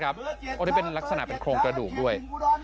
อันนี้เป็นลักษณะเป็นโครงกระดูกด้วย